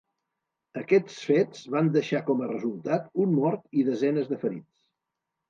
Aquests fets van deixar com a resultat un mort i desenes de ferits.